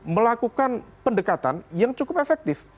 melakukan pendekatan yang cukup efektif